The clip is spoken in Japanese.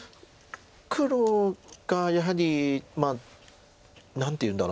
黒がやはり何ていうんだろう。